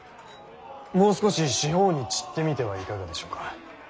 もう少し四方に散ってみてはいかがでしょうか。